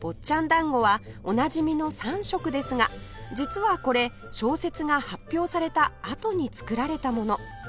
ちゃん団子はおなじみの３色ですが実はこれ小説が発表されたあとに作られたもの